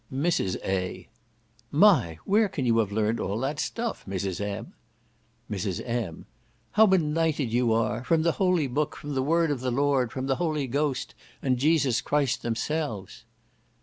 Mrs. A. "My! Where can you have learnt all that stuff, Mrs. M.?" Mrs. M. "How benighted you are! From the holy book, from the Word of the Lord, from the Holy Ghost, and Jesus Christ themselves."